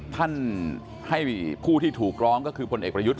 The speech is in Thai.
ท่านให้ผู้ที่ถูกร้องก็คือพลเอกประยุทธ์